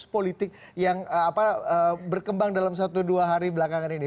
politik yang berkembang dalam satu dua hari belakangan ini